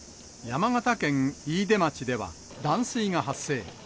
山形県飯豊町では、断水が発生。